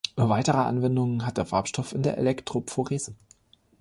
Weitere Anwendungen hat der Farbstoff in der Elektrophorese.